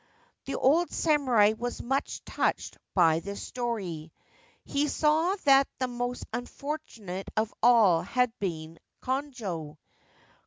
The old samurai was much touched by this story. He saw that the most unfortunate of all had been Konojo.